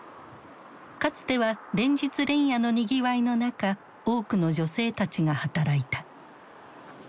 かつては連日連夜のにぎわいの中多くの女性たちが働いた。